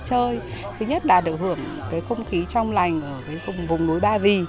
thứ nhất là được hưởng cái không khí trong lành ở vùng núi ba vì